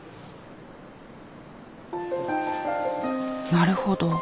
なるほど。